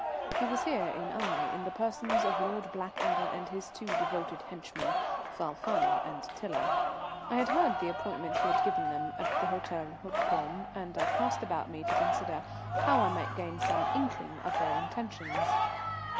He was here in Aix in the persons of Lord Blackadder and his two devoted henchmen, Falfani and Tiler. I had heard the appointment he had given them at the Hôtel Hautecombe, and I cast about me to consider how I might gain some inkling of their intentions.